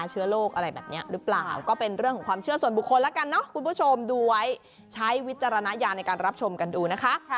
เหมือนต่อเงินต่อทอง